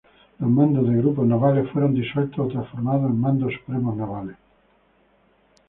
Los mandos de grupo navales fueron disueltos o transformados en mandos supremos navales.